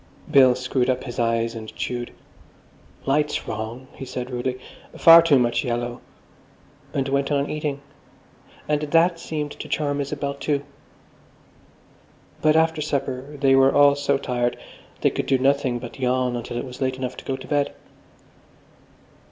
Bill screwed up his eyes and chewed. "Light's wrong," he said rudely, "far too much yellow"; and went on eating. And that seemed to charm Isabel, too. But after supper they were all so tired they could do nothing but yawn until it was late enough to go to bed....